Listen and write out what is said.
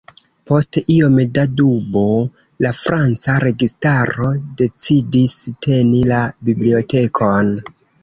Post iom da dubo, la franca registaro decidis teni la bibliotekon.